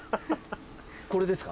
これですか？